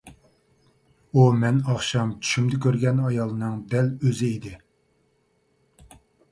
ئۇ مەن ئاخشام چۈشۈمدە كۆرگەن ئايالنىڭ دەل ئۆزى ئىدى.